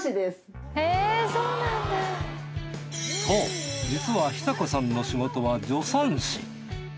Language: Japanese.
そう実は寿子さんの仕事は助産師。